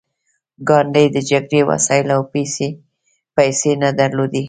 ګاندي د جګړې وسایل او پیسې نه درلودې